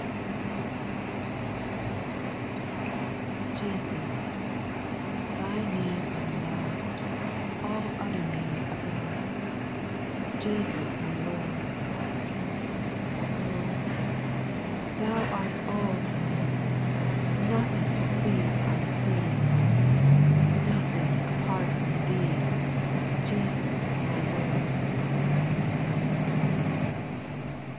TESUS, Thy name I love, All other names above, Jesus my Lord I Oh 1 Thou art all to me, Nothing to please I see, Nothing apart from Thee, Jesus my Lord I SPIRITUAL SONGS, 109 2.